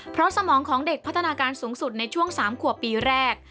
เพราะสมองของเด็กพัฒนาการสูงสุดในช่วง๓ขวบปีแรก